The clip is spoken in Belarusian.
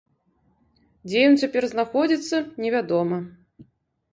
Дзе ён цяпер знаходзіцца, невядома.